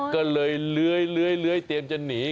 ก็เลยเลื้อยเตรียมจะหนี